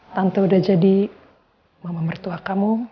tante udah jadi mama mertua kamu